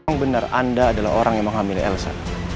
tuhan benar anda adalah orang yang menghamil elsa